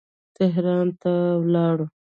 تهران ته ولاړ.